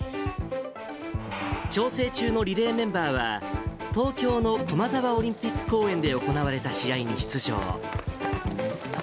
調整中のリレーメンバーは、東京の駒澤オリンピック公園で行われた試合に出場。